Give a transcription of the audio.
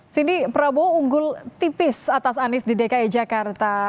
sini prabowo unggul tipis atas anies di dki jakarta